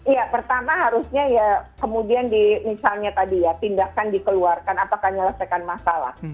ya pertama harusnya ya kemudian di misalnya tadi ya tindakan dikeluarkan apakah nyelesaikan masalah